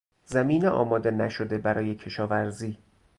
زمین آماده نشده برای کشاورزی